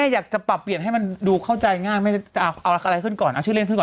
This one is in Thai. อยากจะปรับเปลี่ยนให้มันดูเข้าใจง่ายไม่ได้จะเอาอะไรขึ้นก่อนเอาชื่อเล่นขึ้นก่อน